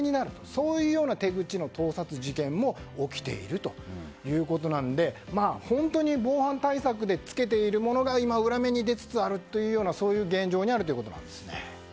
そういうような手口の盗撮事件も起きているということなので本当に防犯対策でつけているものが今、裏目に出つつあるという現状にあるということなんですね。